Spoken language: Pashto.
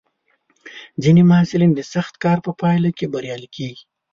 ځینې محصلین د سخت کار په پایله کې بریالي کېږي.